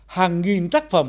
hàng nghìn tác phẩm